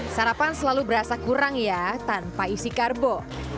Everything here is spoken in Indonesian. sarapan selalu berasa kurang ya tanpa isi karbo